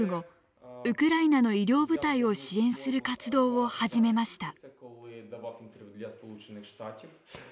ウクライナの医療部隊を支援する活動を始めました。